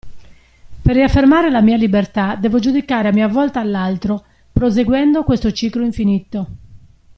Per riaffermare la mia libertà devo giudicare a mia volta l'altro proseguendo questo ciclo infinito.